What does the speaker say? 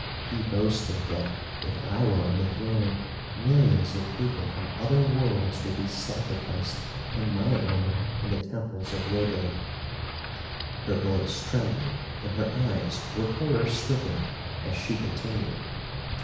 He boasted that, if I were on the throne, millions of people from other worlds would be sacrificed in my honor in the temples of Lodore." Her voice trembled and her eyes were terror stricken as she continued.